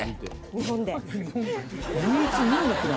日本で。